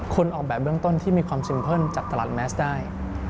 คุณออกแบบเบื้องต้นที่มีความซิมเพิ่นจากตลาดแมสได้